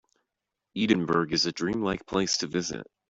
Edinburgh is a dream-like place to visit.